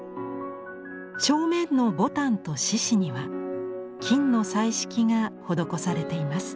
正面のぼたんと獅子には金の彩色が施されています。